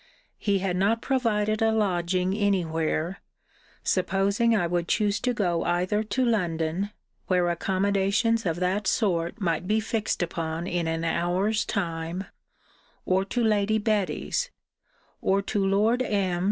He had not provided a lodging any where, supposing I would choose to go either to London, where accommodations of that sort might be fixed upon in an hour's time, or to Lady Betty's; or to Lord M.'